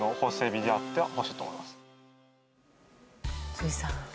辻さん。